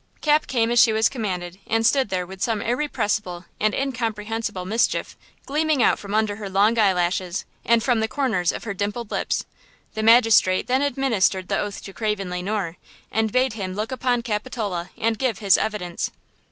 Cap came as she was commanded and stood there with some irrepressible and incomprehensible mischief gleaming out from under her long eye lashes and from the corners of her dimpled lips. The magistrate then administered the oath to Craven Le Noir, and bade him look upon Capitola and give his evidence.